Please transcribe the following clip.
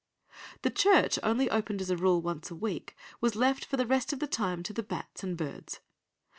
The church, only opened as a rule once a week, was left for the rest of the time to the bats and birds.